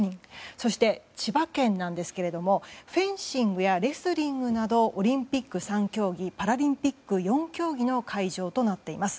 そして、千葉県なんですけれどもフェンシングやレスリングなどオリンピック３競技パラリンピック４競技の会場となっています。